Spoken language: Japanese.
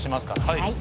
はい。